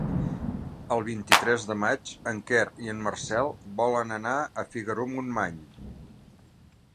El vint-i-tres de maig en Quer i en Marcel volen anar a Figaró-Montmany.